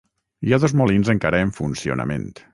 Hi ha dos molins encara en funcionament.